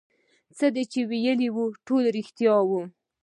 څه دې چې وويل ټول رښتيا وو.